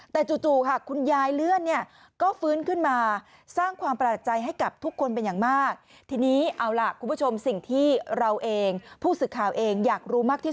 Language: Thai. แต่จู่ค่ะคุณยายเลื่อนเนี่ย